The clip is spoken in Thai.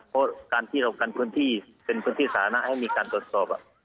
เพราะการที่เรากันพื้นที่เป็นพื้นที่สาธารณะให้มีการตรวจสอบ